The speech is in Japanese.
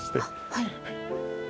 はい。